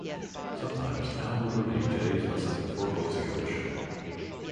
Sometimes, Al would review today's lesson before closing out the show.